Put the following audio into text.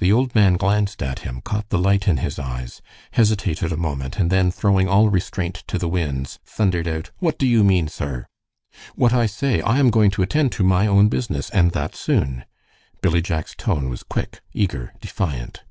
The old man glanced at him, caught the light in his eyes, hesitated a moment, and then, throwing all restraint to the winds, thundered out, "What do you mean, sir?" "What I say. I am going to attend to my own business, and that soon." Billy Jack's tone was quick, eager, defiant.